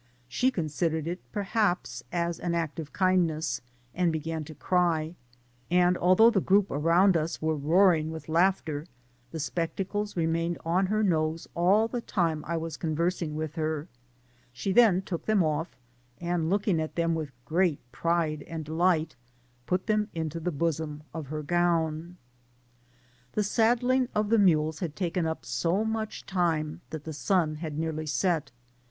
She considered it, Digitized byGoogk THB GRIAT OOBDILtERA* 181 perhaps, at an act of kindness^ and began io cry $ and although the group around us were roar^^ ing with laughter, the spectacles renudned on her nose all the time I was conversing with her. She then took them off, and looking at them with great pride and delight, put them into the bosom of het gown. The saddling of the mules had taken up so much time that the sun had nearly set.